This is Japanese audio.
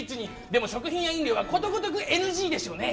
でも食品や飲料はことごとくＮＧでしょうね。